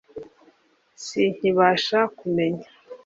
sinkibasha kumenya.